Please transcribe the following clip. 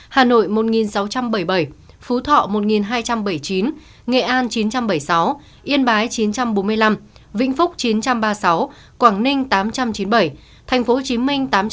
hà nội một sáu trăm bảy mươi bảy phú thọ một hai trăm bảy mươi chín nghệ an chín trăm bảy mươi sáu yên bái chín trăm bốn mươi năm vĩnh phúc chín trăm ba mươi sáu quảng ninh tám trăm chín mươi bảy tp hcm tám trăm chín mươi